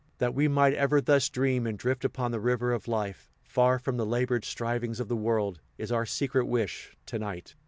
That we might ever thus dream and drift upon the river of life, far from the labored strivings of the world, is our secret wish, to night.